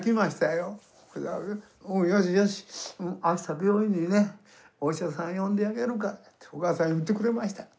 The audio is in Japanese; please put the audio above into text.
「よしよしあした病院にねお医者さん呼んであげるから」とお母さん言ってくれましたよ。